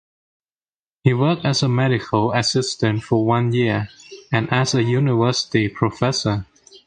He worked as a medical assistant for one year and as a university professor.